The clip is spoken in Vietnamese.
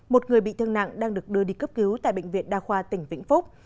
một người bị thương nặng đang được đưa đi cấp cứu tại bệnh viện đa khoa tỉnh vĩnh phúc